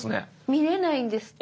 見れないんですって。